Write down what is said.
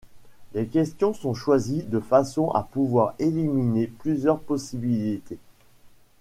Les questions sont choisies de façon à pouvoir éliminer plusieurs possibilités.